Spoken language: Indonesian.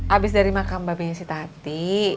abis dari makam mbak biasi tati